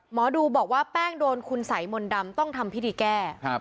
หมอดูบอกว่าแป้งโดนคุณสัยมนต์ดำต้องทำพิธีแก้